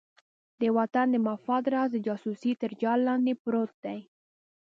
د وطن د مفاد راز د جاسوسۍ تر جال لاندې پروت دی.